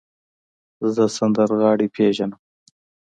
زه سندرغاړی پیژنم.